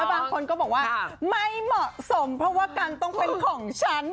บางคนก็บอกว่าไม่เหมาะสมเพราะว่ากันต้องเป็นของฉัน